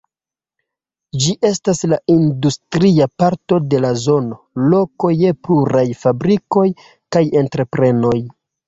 Ĝi estas la industria parto de la zono, loko je pluraj fabrikoj kaj entreprenoj.